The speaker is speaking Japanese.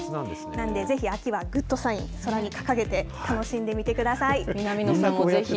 なんで、ぜひ秋はグッドサイン、空に掲げて、楽しんでみてく南野さんもぜひ。